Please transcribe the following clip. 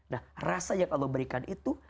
nah rasa yang allah berikan itu